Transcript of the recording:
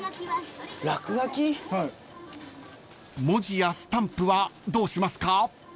［文字やスタンプはどうしますか？］